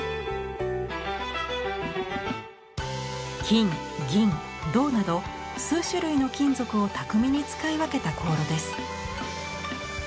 金銀銅など数種類の金属を巧みに使い分けた香炉です。